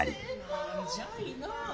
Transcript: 何じゃいなァ。